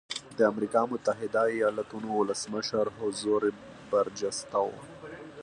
د امریکا متحده ایالتونو ولسمشر حضور برجسته و.